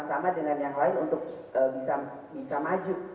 sama dengan yang lain untuk bisa maju